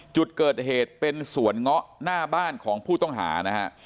จุดเกิดเหตุเป็นสวนเงาะหน้าบ้านของผู้ต้องหานะฮะ